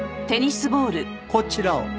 こちらを。